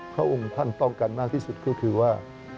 พระองค์ท่านป้องกันมากที่สุดก็คือว่า